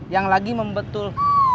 yang lagi membetul